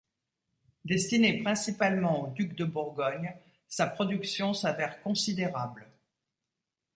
Destinée principalement aux ducs de Bourgogne, sa production s'avère considérable.